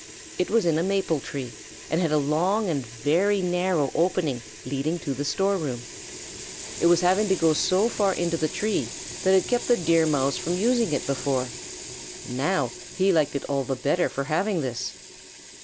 It was in a maple tree, and had a long and very narrow opening leading to the storeroom. It was having to go so far into the tree that had kept the Deer Mouse from using it before. Now he liked it all the better for having this.